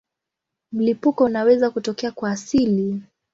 Mlipuko unaweza kutokea kwa asili.